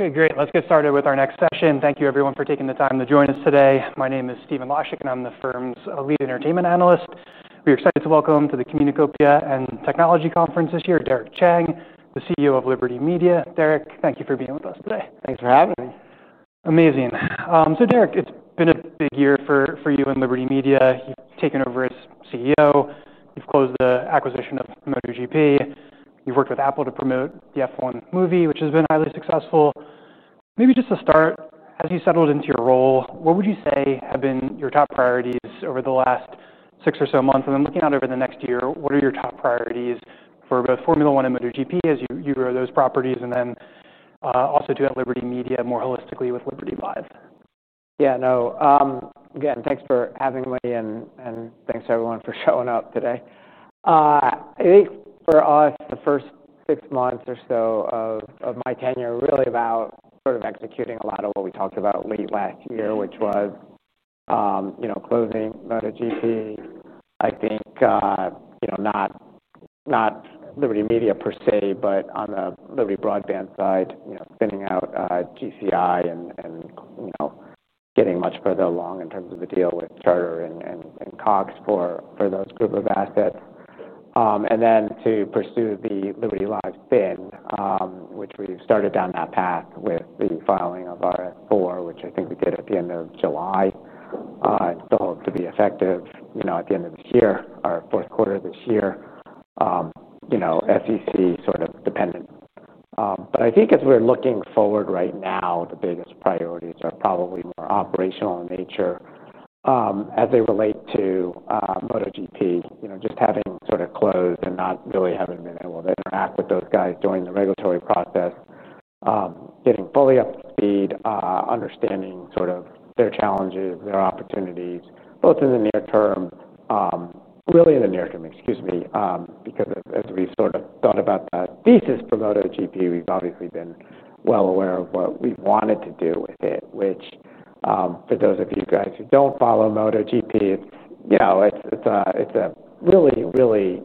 Okay, great. Let's get started with our next session. Thank you, everyone, for taking the time to join us today. My name is Stephen Lasnik, and I'm the firm's Lead Entertainment Analyst. We're excited to welcome to the Communacopia & Technology Conference this year, Derek Chang, the CEO of Liberty Media. Derek, thank you for being with us today. Thanks for having me. Amazing. Derek, it's been a big year for you and Liberty Media. You've taken over as CEO. You've closed the acquisition of MotoGP. You've worked with Apple to promote the F1 movie, which has been highly successful. Maybe just to start, as you settled into your role, what would you say have been your top priorities over the last six or so months? Looking out over the next year, what are your top priorities for both Formula One and MotoGP as you grow those properties? Also, to have Liberty Media more holistically with Liberty Live. Yeah, now, again, thanks for having me, and thanks to everyone for showing up today. I think for us, the first six months or so of my tenure, really about sort of executing a lot of what we talked about late last year, which was, you know, closing MotoGP. I think, you know, not Liberty Media per say, but on the Liberty Broadband side, you know, spinning out GCI and, you know, getting much further along in terms of the deal with Charter and Cox for those group of assets. Then to pursue the Liberty Live bid, which we've started down that path with the filing of RS4, which I think we did at the end of July, to hope to be effective at the end of this year, our fourth quarter of this year, SEC sort of dependent. I think as we're looking forward right now, the biggest priorities are probably more operational in nature, as they relate to MotoGP, just having sort of closed and not really having been able to interact with those guys during the regulatory process, getting fully up to speed, understanding sort of their challenges, their opportunities, both in the near term, really in the near term, excuse me, because as we've sort of thought about the thesis for MotoGP, we've obviously been well aware of what we wanted to do with it, which, for those of you guys who don't follow MotoGP, it's a really, really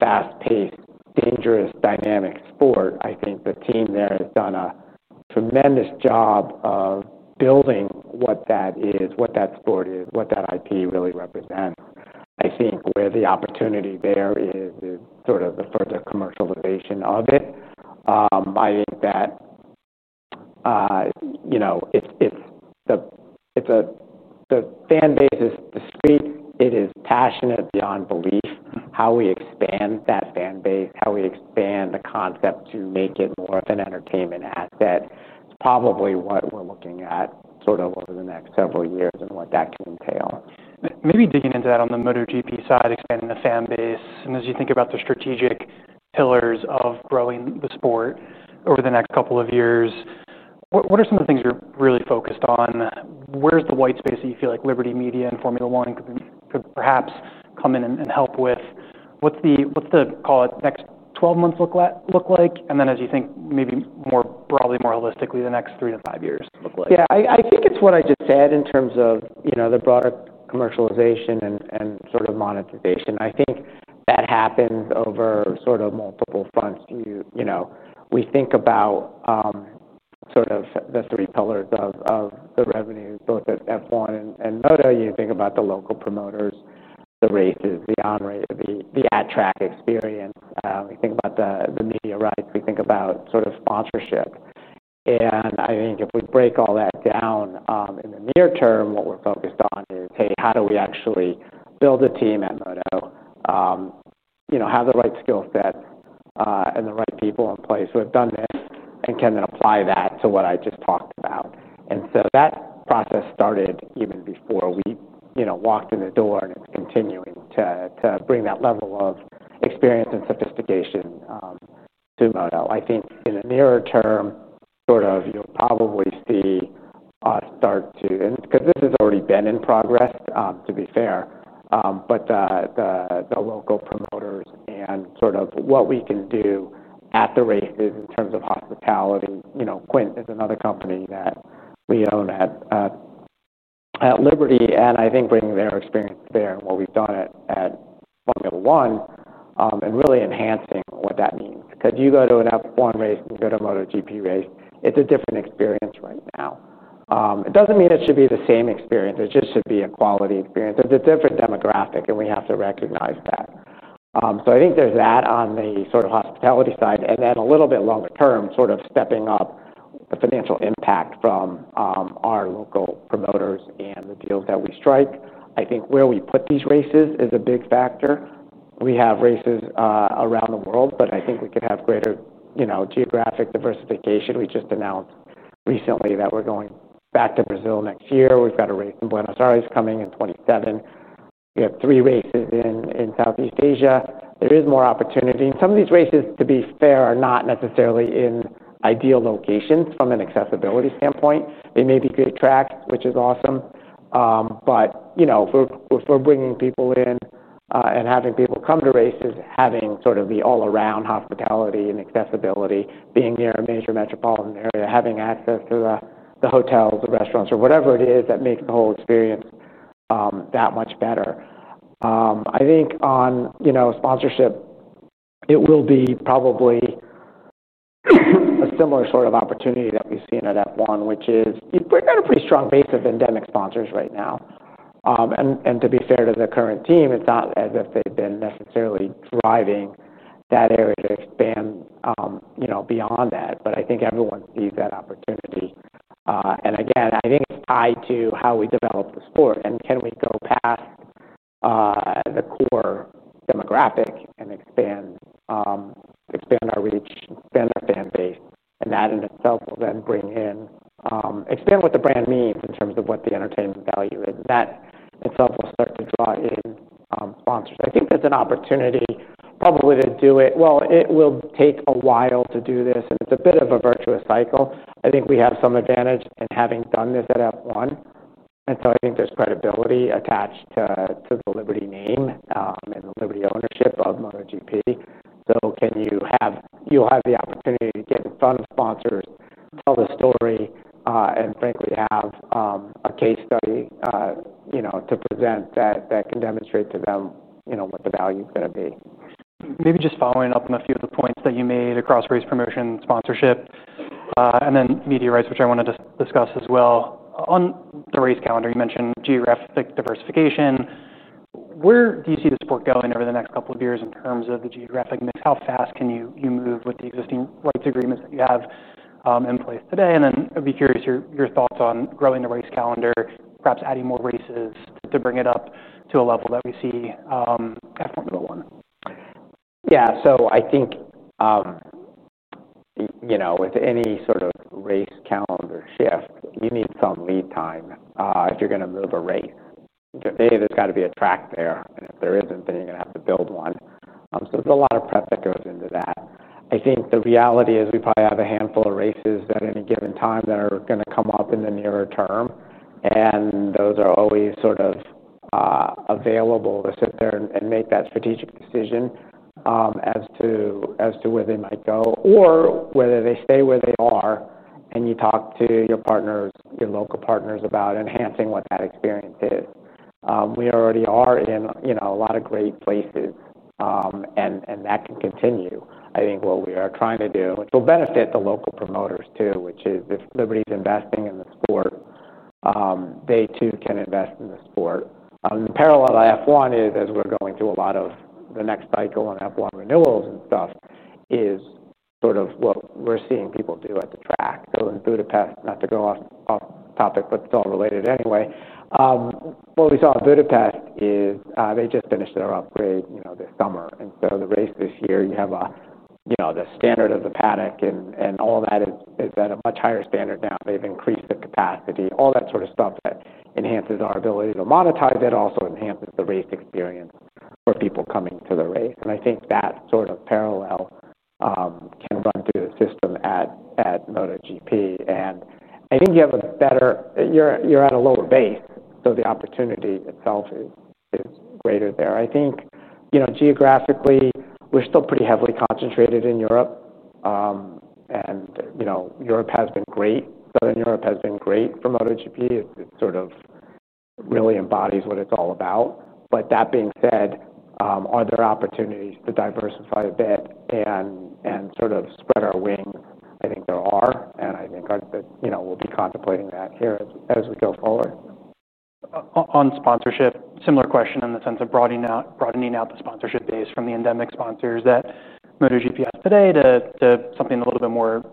fast-paced, dangerous, dynamic sport. I think the team there has done a tremendous job of building what that is, what that sport is, what that IP really represents. I think where the opportunity there is, is sort of the further commercialization of it. I think that, you know, the fan base is discreet. It is passionate beyond belief how we expand that fan base, how we expand the concept to make it more of an entertainment asset. It's probably what we're looking at over the next several years and what that can entail. Maybe digging into that on the MotoGP side, expanding the fan base, and as you think about the strategic pillars of growing the sport over the next couple of years, what are some of the things you're really focused on? Where's the white space that you feel like Liberty Media and Formula One could perhaps come in and help with? What's the next 12 months look like? As you think maybe more broadly, more holistically, the next three to five years look like? Yeah, I think it's what I just said in terms of the broader commercialization and sort of monetization. I think that happens over multiple fronts. We think about the three pillars of the revenue, both at Formula One and MotoGP. You think about the local promoters, the races, the at-track experience. We think about the media rights. We think about sponsorship. If we break all that down, in the near term, what we're focused on is, hey, how do we actually build a team at MotoGP, have the right skill sets, and the right people in place who have done this and can then apply that to what I just talked about. That process started even before we walked in the door, and it's continuing to bring that level of experience and sophistication to MotoGP. I think in the nearer term, you'll probably see us start to, and because this has already been in progress, to be fair, but the local promoters and what we can do at the races in terms of hospitality. Quint is another company that we own at Liberty, and I think bringing their experience there and what we've done at Formula One, and really enhancing what that means. You go to a Formula One race and go to a MotoGP race, it's a different experience right now. It doesn't mean it should be the same experience. It just should be a quality experience. It's a different demographic, and we have to recognize that. I think there's that on the hospitality side, and then a little bit longer term, stepping up the financial impact from our local promoters and the deals that we strike. I think where we put these races is a big factor. We have races around the world, but I think we could have greater geographic diversification. We just announced recently that we're going back to Brazil next year. We've got a race in Buenos Aires coming in 2027. We have three races in Southeast Asia. There is more opportunity. Some of these races, to be fair, are not necessarily in ideal locations from an accessibility standpoint. They may be good tracks, which is awesome. If we're bringing people in, and having people come to races, having the all-around hospitality and accessibility, being near a major metropolitan area, having access to the hotels, the restaurants, or whatever it is that makes the whole experience that much better. I think on sponsorship, it will be probably a similar sort of opportunity that we've seen at Formula One, which is we've got a pretty strong base of endemic sponsors right now. To be fair to the current team, it's not as if they've been necessarily driving that area to expand beyond that. I think everyone sees that opportunity. I think it's tied to how we develop the sport. Can we go past the core demographic and expand, expand our reach, expand our fan base, and that in itself will then bring in, expand what the brand means in terms of what the entertainment value is. That itself will start to draw in sponsors. I think that's an opportunity probably to do it. It will take a while to do this, and it's a bit of a virtuous cycle. I think we have some advantage in having done this at Formula One. I think there's credibility attached to the Liberty name, and the Liberty ownership of MotoGP. You have the opportunity to get in front of sponsors of a story, and frankly, have a case study to present that can demonstrate to them what the value is going to be. Maybe just following up on a few of the points that you made across race promotion, sponsorship, and then media rights, which I wanted to discuss as well. On the race calendar, you mentioned geographic diversification. Where do you see the sport going over the next couple of years in terms of the geographic mix? How fast can you move with the existing rights agreements that you have in place today? I'd be curious your thoughts on growing the race calendar, perhaps adding more races to bring it up to a level that we see at Formula One. Yeah, so I think, you know, with any sort of race calendar shift, you need some lead time if you're going to move a race. You have to say, hey, there's got to be a track there, and if there isn't, then you're going to have to build one. There's a lot of prep that goes into that. I think the reality is we probably have a handful of races at any given time that are going to come up in the nearer term. Those are always sort of available to sit there and make that strategic decision as to where they might go or whether they stay where they are, and you talk to your partners, your local partners, about enhancing what that experience is. We already are in, you know, a lot of great places, and that can continue. I think what we are trying to do, which will benefit the local promoters too, is if Liberty's investing in the sport, they too can invest in the sport. The parallel to Formula One is, as we're going through a lot of the next cycle and Formula One renewals and stuff, is sort of what we're seeing people do at the track. In Budapest, not to go off topic, but it's all related anyway. What we saw in Budapest is they just finished their upgrade this summer, and so the race this year, you have the standard of the paddock and all of that is at a much higher standard now. They've increased the capacity, all that sort of stuff that enhances our ability to monetize it, also enhances the race experience for people coming to the race. I think that sort of parallel can run through the system at MotoGP. I think you have a better, you're at a lower base, so the opportunity itself is greater there. I think, you know, geographically, we're still pretty heavily concentrated in Europe, and Europe has been great. Southern Europe has been great for MotoGP. It really embodies what it's all about. That being said, are there opportunities to diversify a bit and sort of spread our wings? I think there are, and I think that, you know, we'll be contemplating that here as we go forward. On sponsorship, similar question in the sense of broadening out the sponsorship base from the endemic sponsors that MotoGP has today to something a little bit more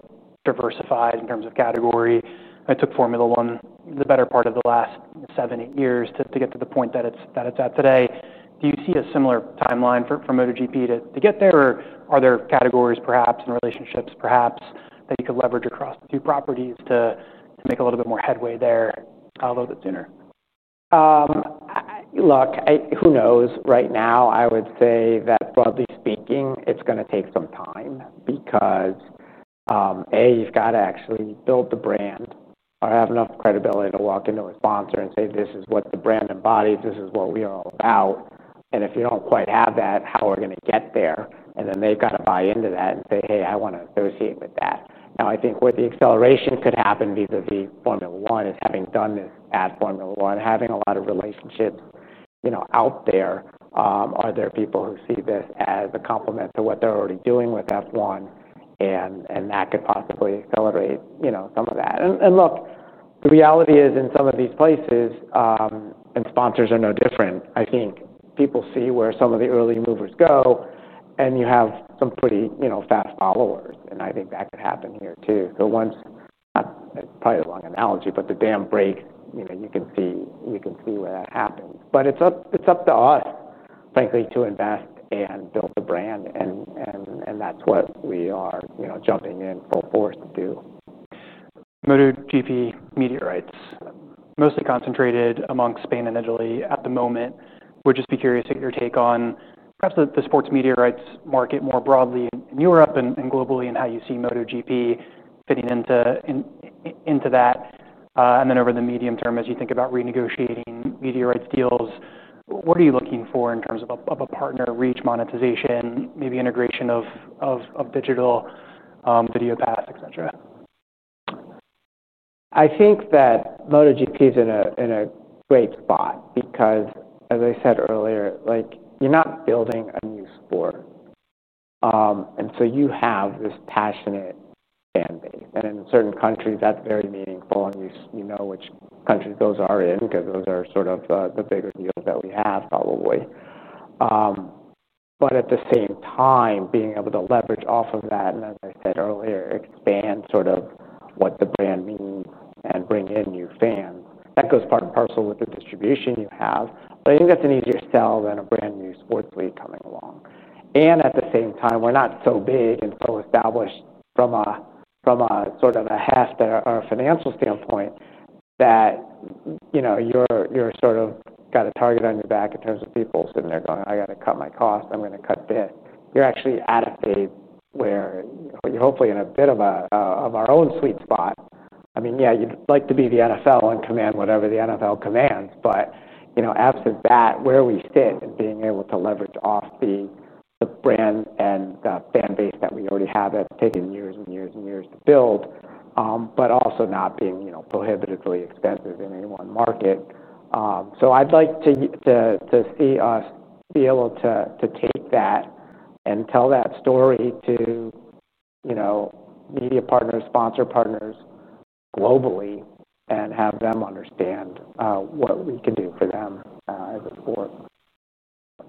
diversified in terms of category. It took Formula One the better part of the last seven, eight years to get to the point that it's at today. Do you see a similar timeline for MotoGP to get there, or are there categories and relationships perhaps that you could leverage across the two properties to make a little bit more headway there a little bit sooner? Look, who knows? Right now, I would say that broadly speaking, it's going to take some time because, A, you've got to actually build the brand or have enough credibility to walk into a sponsor and say, this is what the brand embodies, this is what we are all about. If you don't quite have that, how are we going to get there? They've got to buy into that and say, hey, I want to associate with that. I think what the acceleration could happen vis-à-vis Formula One is having done this at Formula One, having a lot of relationships out there. Are there people who see this as a complement to what they're already doing with F1? That could possibly accelerate some of that. The reality is in some of these places, and sponsors are no different, I think people see where some of the early movers go, and you have some pretty fast followers. I think that could happen here too. That's probably a long analogy, but the dam break, you can see, you can see where that happens. It's up to us, frankly, to invest and build the brand. That's what we are jumping in full force to do. MotoGP media rights, mostly concentrated among Spain and Italy at the moment. We'd just be curious to get your take on perhaps the sports media rights market more broadly in Europe and globally, and how you see MotoGP fitting into that. Over the medium term, as you think about renegotiating media rights deals, what are you looking for in terms of a partner, reach, monetization, maybe integration of digital video paths, et cetera? I think that MotoGP is in a great spot because, as I said earlier, you're not building a new sport. You have this passionate fan base, and in certain countries, that's very meaningful. You know which countries those are because those are the biggest deals that we have, probably. At the same time, being able to leverage off of that, and as I said earlier, expand what the brand means and bring in new fans, that goes part and parcel with the distribution you have. I think that's an easier sell than a brand new sports league coming along. At the same time, we're not so big and so established from a financial standpoint that you've got a target on your back in terms of people sitting there going, I got to cut my costs, I'm going to cut this. You're actually at a phase where you're hopefully in a bit of our own sweet spot. I mean, yeah, you'd like to be the NFL and command whatever the NFL commands, but absent that, where we fit and being able to leverage off the brand and the fan base that we already have have taken years and years and years to build, but also not being prohibitively expensive in any one market. I'd like to see us be able to take that and tell that story to media partners, sponsor partners globally, and have them understand what we can do for them as a sport.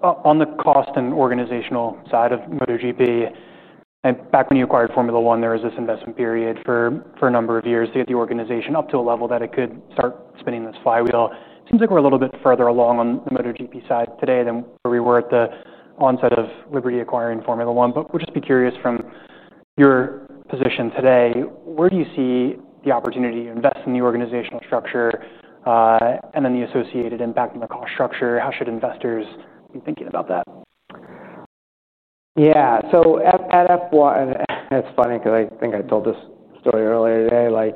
On the cost and organizational side of MotoGP, and back when you acquired Formula One, there was this investment period for a number of years to get the organization up to a level that it could start spinning this flywheel. It seems like we're a little bit further along on the MotoGP side today than where we were at the onset of Liberty acquiring Formula One. I'm just curious from your position today, where do you see the opportunity to invest in the organizational structure, and then the associated impact on the cost structure? How should investors be thinking about that? Yeah, so at Formula One, it's funny because I think I told this story earlier today, like,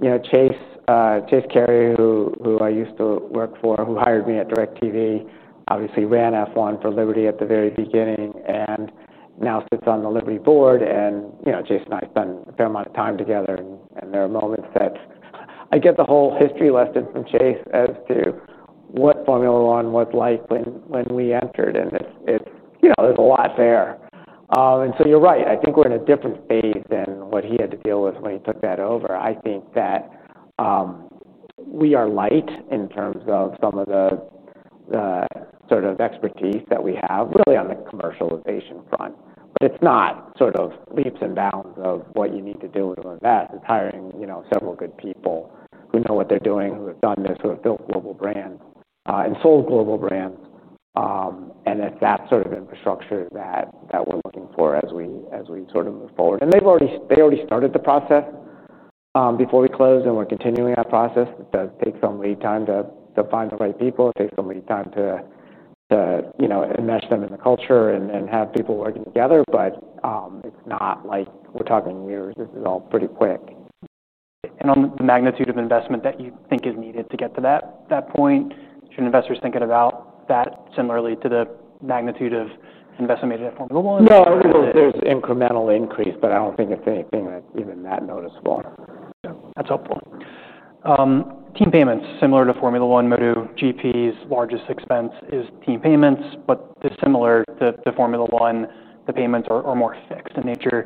you know, Chase, Chase Carey, who I used to work for, who hired me at DirecTV, obviously ran Formula One for Liberty at the very beginning and now sits on the Liberty board. You know, Chase and I spent a fair amount of time together, and there are moments that I get the whole history lesson from Chase as to what Formula One was like when we entered. There's a lot there. You're right. I think we're in a different phase than what he had to deal with when he took that over. I think that we are light in terms of some of the sort of expertise that we have, really on the commercialization front. It's not sort of leaps and bounds of what you need to do to invest. It's hiring several good people who know what they're doing, who have done this, who have built global brands, and sold global brands. It's that sort of infrastructure that we're looking for as we sort of move forward. They've already started the process before we closed, and we're continuing that process. It does take some lead time to find the right people. It takes some lead time to enmesh them in the culture and have people working together. It's not like we're talking years. This is all pretty quick. On the magnitude of investment that you think is needed to get to that point, should investors think about that similarly to the magnitude of investment made at Formula One? No, I think there's incremental increase, but I don't think it's anything that even that noticeable. No, that's helpful. Team payments, similar to Formula One, MotoGP's largest expense is team payments, but dissimilar to Formula One, the payments are more fixed in nature.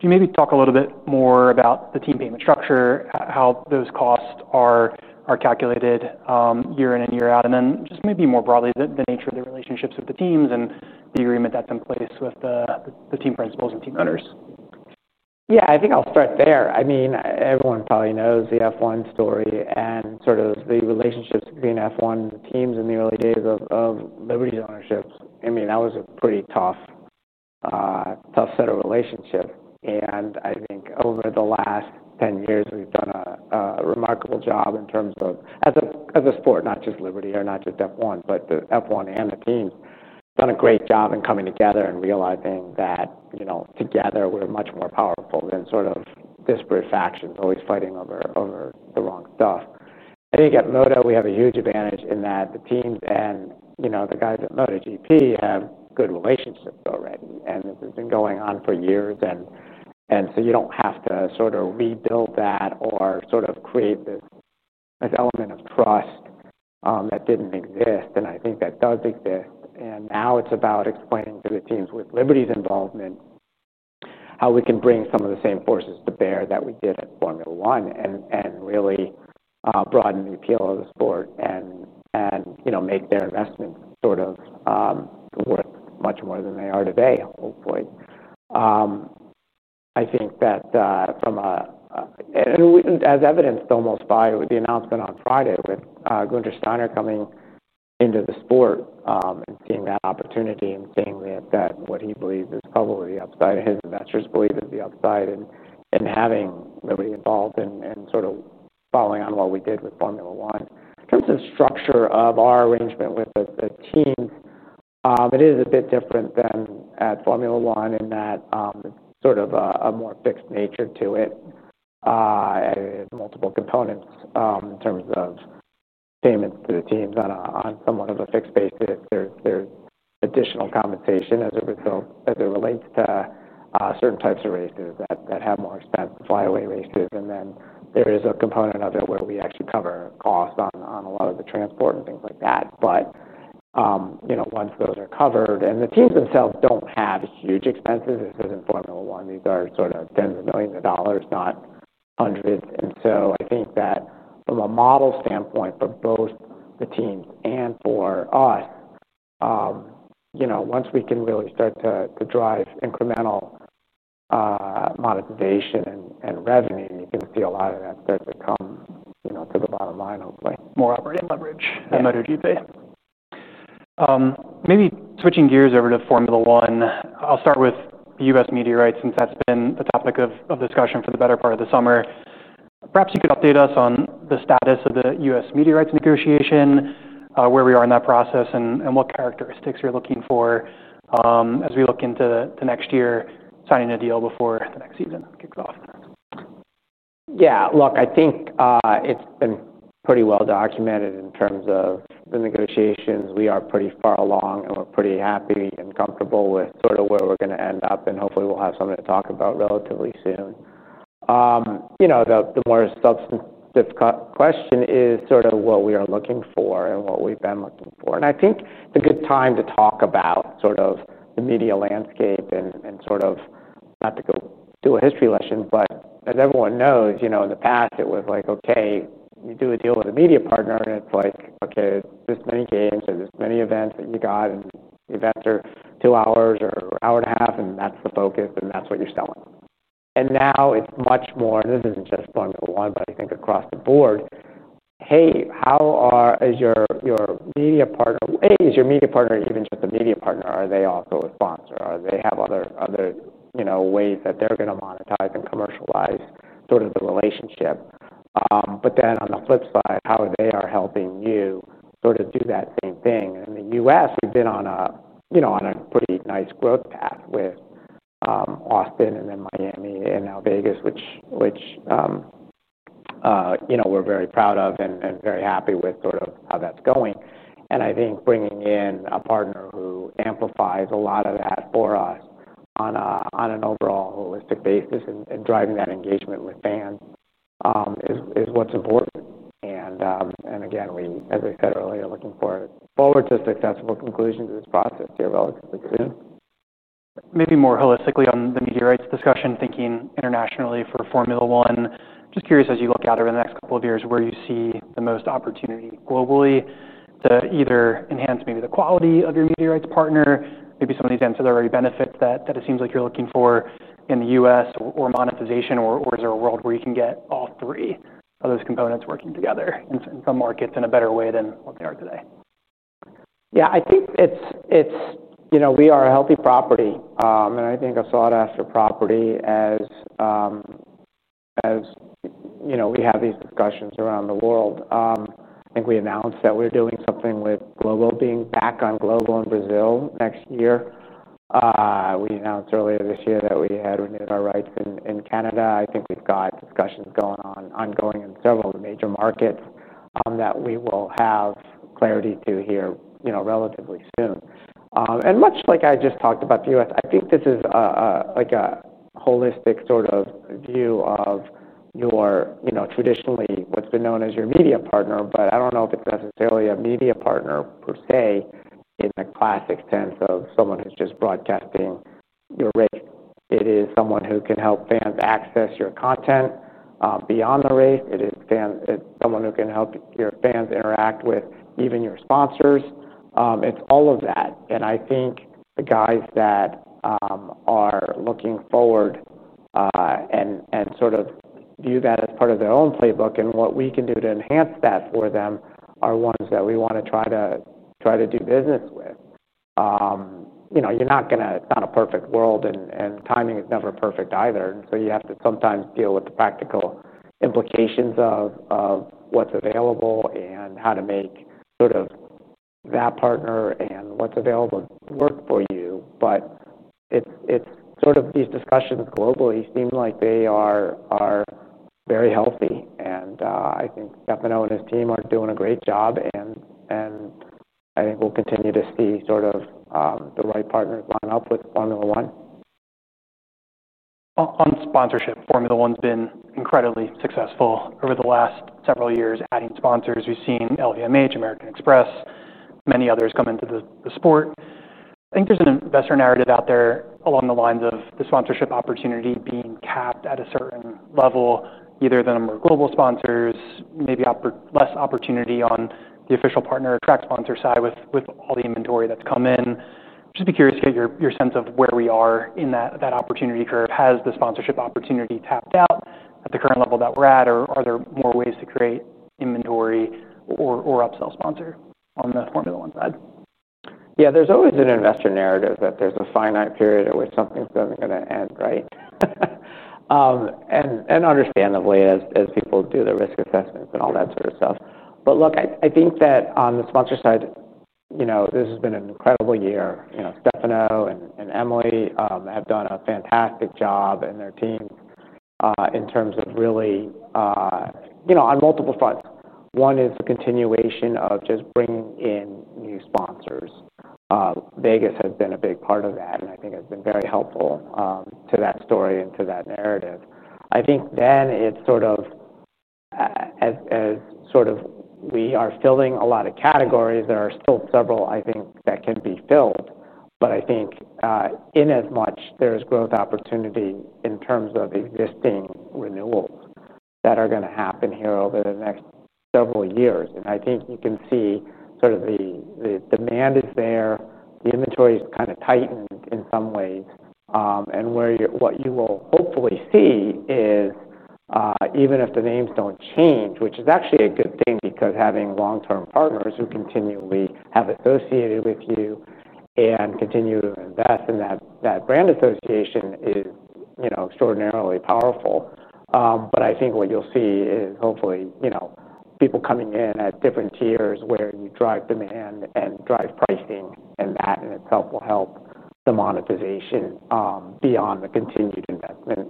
Can you maybe talk a little bit more about the team payment structure, how those costs are calculated year in and year out, and then just maybe more broadly the nature of the relationships with the teams and the agreement that's in place with the team principals and team owners? Yeah, I think I'll start there. I mean, everyone probably knows the F1 story and sort of the relationships between F1 and the teams in the early days of Liberty's ownership. I mean, that was a pretty tough set of relationships. I think over the last 10 years, we've done a remarkable job in terms of, as a sport, not just Liberty or not just F1, but F1 and the teams have done a great job in coming together and realizing that, you know, together we're much more powerful than sort of disparate factions always fighting over the wrong stuff. I think at Moto we have a huge advantage in that the teams and, you know, the guys at MotoGP have good relationships already. This has been going on for years, so you don't have to sort of rebuild that or create this element of trust that didn't exist. I think that does exist. Now it's about explaining to the teams with Liberty's involvement how we can bring some of the same forces to bear that we did at Formula One and really broaden the appeal of the sport and, you know, make their investments sort of worth much more than they are today, hopefully. I think that, as evidenced almost by the announcement on Friday with Günther Steiner coming into the sport and seeing that opportunity and seeing what he believes is probably the upside, his investors believe is the upside in having Liberty involved and sort of following on what we did with Formula One. In terms of the structure of our arrangement with the teams, it is a bit different than at Formula One in that it's sort of a more fixed nature to it and multiple components in terms of payments to the teams on somewhat of a fixed basis. There's additional compensation as it relates to certain types of races that have more expense, the flyaway races. There is a component of it where we actually cover costs on a lot of the transport and things like that. Once those are covered and the teams themselves don't have huge expenses. This isn't Formula One. These are sort of tens of millions of dollars, not hundreds. I think that from a model standpoint for both the teams and for us, once we can really start to drive incremental monetization and revenue, you can see a lot of that start to come to the bottom line, hopefully. More operating leverage at MotoGP. Maybe switching gears over to Formula One, I'll start with the U.S. media rights since that's been the topic of discussion for the better part of the summer. Perhaps you could update us on the status of the U.S. media rights negotiation, where we are in that process and what characteristics you're looking for as we look into the next year, signing a deal before the next season kicks off. Yeah, look, I think it's been pretty well documented in terms of the negotiations. We are pretty far along and we're pretty happy and comfortable with sort of where we're going to end up. Hopefully we'll have something to talk about relatively soon. The more substantive question is sort of what we are looking for and what we've been looking for. I think it's a good time to talk about sort of the media landscape and not to go do a history lesson, but as everyone knows, in the past it was like, okay, you do a deal with a media partner and it's like, okay, there's many games or there's many events that you got and the events are two hours or an hour and a half and that's the focus and that's what you're selling. Now it's much more, and this isn't just Formula One, but I think across the board, hey, how is your media partner, hey, is your media partner even just a media partner? Are they also a sponsor? Do they have other ways that they're going to monetize and commercialize sort of the relationship? On the flip side, how are they helping you sort of do that same thing? In the U.S., we've been on a pretty nice growth path with Austin and then Miami and now Vegas, which we're very proud of and very happy with sort of how that's going. I think bringing in a partner who amplifies a lot of that for us on an overall holistic basis and driving that engagement with fans is what's important. Again, we, as I said earlier, are looking forward to successful conclusions of this process here relatively soon. Maybe more holistically on the media rights discussion, thinking internationally for Formula One. Just curious as you look out over the next couple of years where you see the most opportunity globally to either enhance maybe the quality of your media rights partner, maybe some of these ancillary benefits that it seems like you're looking for in the U.S. or monetization, or is there a world where you can get all three of those components working together in some markets in a better way than what they are today? Yeah, I think it's, you know, we are a healthy property, and I think a sought-after property as you know, we have these discussions around the world. I think we announced that we're doing something with Globo, being back on Globo in Brazil next year. We announced earlier this year that we had renewed our rights in Canada. I think we've got discussions ongoing in several of the major markets that we will have clarity to here relatively soon. Much like I just talked about the U.S., I think this is a holistic sort of view of your, you know, traditionally what's been known as your media partner, but I don't know if it's necessarily a media partner per se in a classic sense of someone who's just broadcasting your race. It is someone who can help fans access your content beyond the race. It is someone who can help your fans interact with even your sponsors. It's all of that. I think the guys that are looking forward and sort of view that as part of their own playbook and what we can do to enhance that for them are ones that we want to try to do business with. You're not going to, it's not a perfect world and timing is never perfect either. You have to sometimes deal with the practical implications of what's available and how to make that partner and what's available work for you. These discussions globally seem like they are very healthy. I think Stefano and his team are doing a great job. I think we'll continue to see the right partners line up with Formula One. On sponsorship, Formula One's been incredibly successful over the last several years, adding sponsors. We've seen LVMH, American Express, many others come into the sport. I think there's an investor narrative out there along the lines of the sponsorship opportunity being capped at a certain level, either them or global sponsors, maybe less opportunity on the official partner or track sponsor side with all the inventory that's come in. I'm curious to get your sense of where we are in that opportunity curve. Has the sponsorship opportunity tapped out at the current level that we're at, or are there more ways to create inventory or upsell sponsor on the Formula One side? Yeah, there's always an investor narrative that there's a finite period at which something's going to end, right? Understandably, as people do their risk assessments and all that sort of stuff. Look, I think that on the sponsor side, this has been an incredible year. Stefano and Emily have done a fantastic job and their teams in terms of really, on multiple fronts. One is the continuation of just bringing in new sponsors. Vegas has been a big part of that, and I think it's been very helpful to that story and to that narrative. I think as we are filling a lot of categories, there are still several, I think, that can be filled. I think, in as much, there's growth opportunity in terms of existing renewals that are going to happen here over the next several years. I think you can see the demand is there, the inventory is kind of tightened in some ways. What you will hopefully see is, even if the names don't change, which is actually a good thing because having long-term partners who continually have associated with you and continue to invest in that brand association is extraordinarily powerful. I think what you'll see is hopefully people coming in at different tiers where you drive demand and drive pricing, and that in itself will help the monetization, beyond the continued investment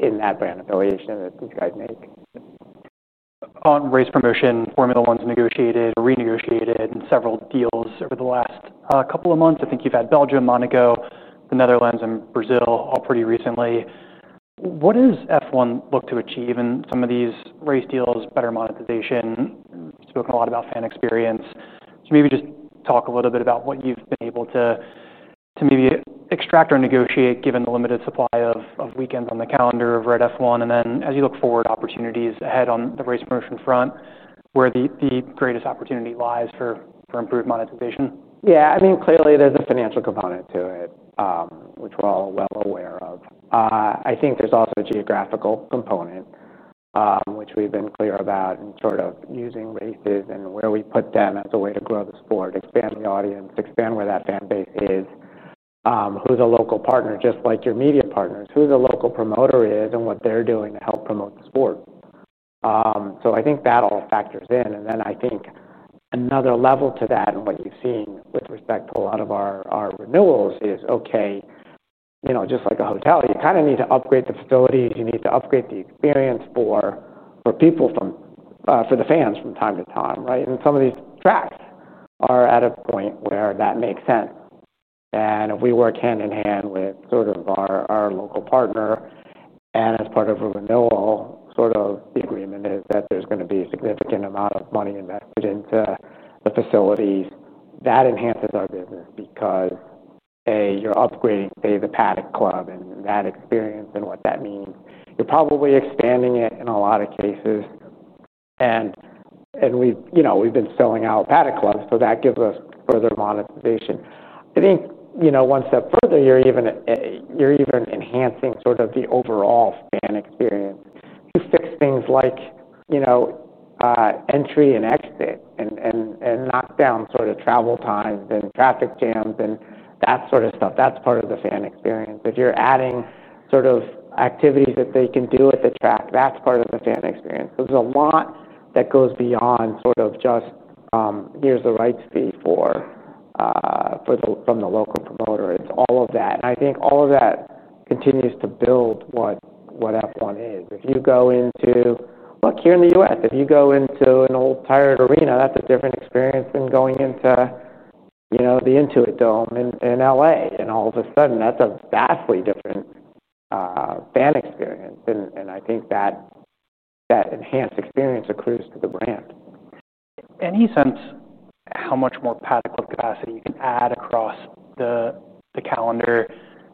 in that brand affiliation that these guys make. On race promotion, Formula One's negotiated or renegotiated several deals over the last couple of months. I think you've had Belgium, Monaco, the Netherlands, and Brazil all pretty recently. What does F1 look to achieve in some of these race deals, better monetization? You've spoken a lot about fan experience. Maybe just talk a little bit about what you've been able to maybe extract or negotiate given the limited supply of weekends on the calendar over at F1. As you look forward to opportunities ahead on the race promotion front, where the greatest opportunity lies for improved monetization. Yeah, I mean, clearly there's a financial component to it, which we're all well aware of. I think there's also a geographical component, which we've been clear about and sort of using races and where we put them as a way to grow the sport, expand the audience, expand where that fan base is, who the local partner, just like your media partners, who the local promoter is and what they're doing to help promote the sport. I think that all factors in. I think another level to that and what you've seen with respect to a lot of our renewals is, okay, you know, just like a hotel, you kind of need to upgrade the facilities. You need to upgrade the experience for people, for the fans from time to time, right? Some of these tracks are at a point where that makes sense. If we work hand in hand with our local partner and as part of a renewal, the agreement is that there's going to be a significant amount of money invested into the facilities. That enhances our business because, A, you're upgrading the Paddock Club and that experience and what that means. You're probably expanding it in a lot of cases. We've been selling out Paddock Clubs, so that gives us further monetization. I think, one step further, you're even enhancing the overall fan experience. You fix things like entry and exit and knock down travel times and traffic jams and that sort of stuff. That's part of the fan experience. If you're adding activities that they can do at the track, that's part of the fan experience. There's a lot that goes beyond just, here's the rights fee from the local promoter. It's all of that. I think all of that continues to build what Formula One is. If you go into, look here in the U.S., if you go into an old Pirate Arena, that's a different experience than going into the Intuit Dome in LA. All of a sudden, that's a vastly different fan experience. I think that enhanced experience accrues to the brand. Any sense how much more Paddock Club capacity you can add across the calendar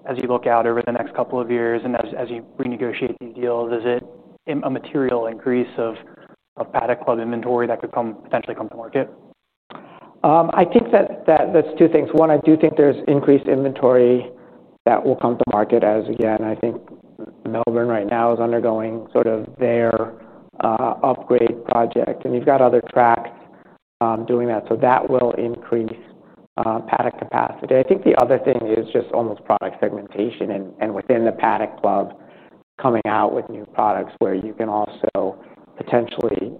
as you look out over the next couple of years, and as you renegotiate these deals? Is it a material increase of Paddock Club inventory that could potentially come to market? I think that's two things. One, I do think there's increased inventory that will come to market as, again, I think Melbourne right now is undergoing their upgrade project. You've got other tracks doing that, so that will increase paddock capacity. I think the other thing is just almost product segmentation, and within the Paddock Club coming out with new products where you can also potentially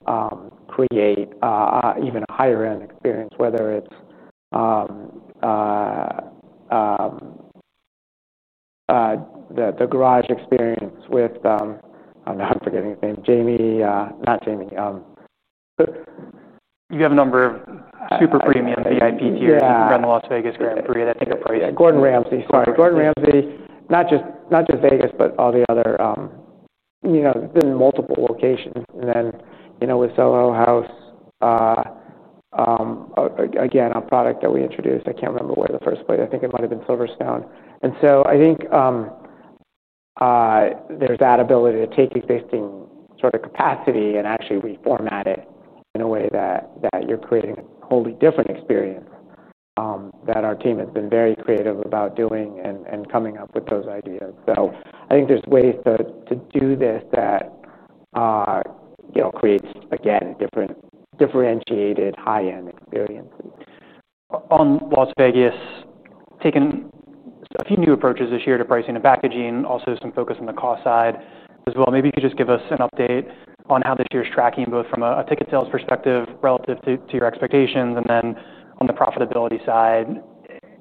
create even a higher-end experience, whether it's the garage experience with, I'm not forgetting the name, Jamie, not Jamie. You have a number of super premium VIP tiers running the Las Vegas Grand Prix. Yeah, Gordon Ramsay, sorry. Gordon Ramsay, not just not just Vegas, but all the other, you know, been in multiple locations. Then, you know, with Soho House, again, a product that we introduced, I can't remember where the first place, I think it might have been Silverstone. I think there's that ability to take existing sort of capacity and actually reformat it in a way that you're creating a wholly different experience, that our team has been very creative about doing and coming up with those ideas. I think there's ways to do this that, you know, creates, again, different, differentiated high-end experiences. On Las Vegas, taking a few new approaches this year to pricing and packaging, also some focus on the cost side as well. Maybe you could just give us an update on how this year's tracking both from a ticket sales perspective relative to your expectations, and then on the profitability side,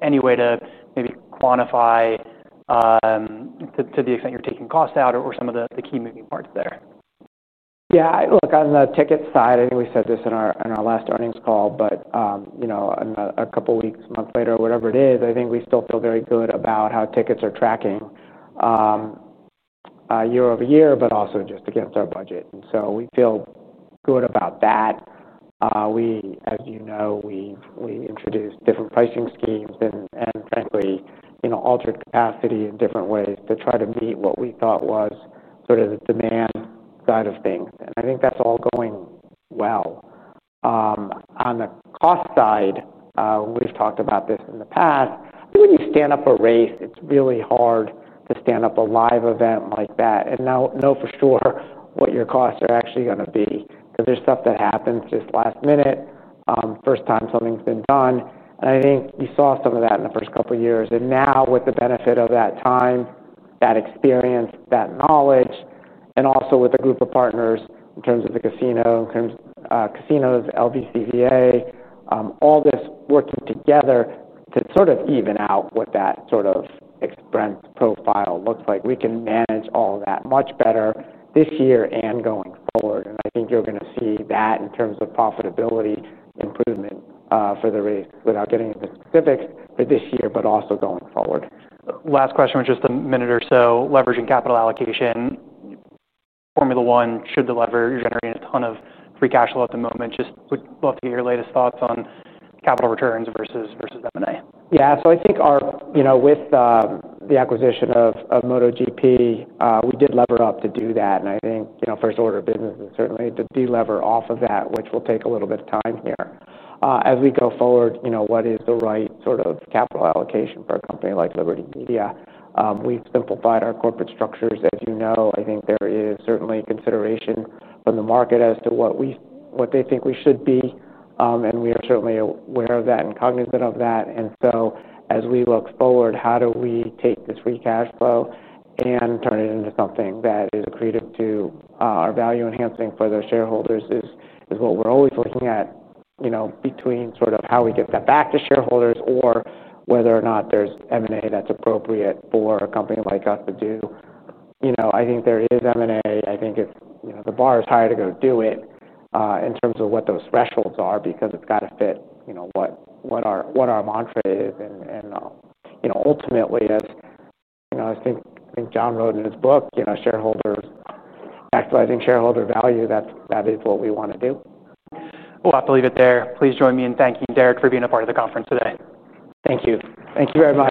any way to maybe quantify, to the extent you're taking costs out or some of the key moving parts there. Yeah, look, on the ticket side, I think we said this in our last earnings call, but a couple of weeks, a month later, whatever it is, I think we still feel very good about how tickets are tracking year over year, but also just against our budget. We feel good about that. As you know, we introduced different pricing schemes and, frankly, altered capacity in different ways to try to meet what we thought was the demand side of things. I think that's all going well. On the cost side, when we've talked about this in the past, I think when you stand up a race, it's really hard to stand up a live event like that and not know for sure what your costs are actually going to be because there's stuff that happens just last minute, first time something's been done. I think you saw some of that in the first couple of years. Now, with the benefit of that time, that experience, that knowledge, and also with a group of partners in terms of the casino, in terms of casinos, LVCVA, all this working together to even out what that expense profile looks like, we can manage all that much better this year and going forward. I think you're going to see that in terms of profitability improvement for the race, without getting into specifics for this year, but also going forward. Last question was just a minute or so, leveraging capital allocation. Formula One, should the leverage generate a ton of free cash flow at the moment? Just would love to hear your latest thoughts on capital returns versus M&A. Yeah, so I think our, you know, with the acquisition of MotoGP, we did lever up to do that. I think, you know, first order of business is certainly to deliver off of that, which will take a little bit of time here. As we go forward, you know, what is the right sort of capital allocation for a company like Liberty Media? We've simplified our corporate structures, as you know. I think there is certainly consideration from the market as to what they think we should be. We are certainly aware of that and cognizant of that. As we look forward, how do we take this free cash flow and turn it into something that is accretive to our value, enhancing for the shareholders, is what we're always looking at, you know, between sort of how we get that back to shareholders or whether or not there's M&A that's appropriate for a company like us to do. I think there is M&A. I think if, you know, the bar is high to go do it, in terms of what those thresholds are because it's got to fit, you know, what our mantra is. Ultimately, as you know, I think John wrote in his book, you know, shareholders actualizing shareholder value, that is what we want to do. I'll have to leave it there. Please join me in thanking Derek for being a part of the conference today. Thank you. Thank you very much.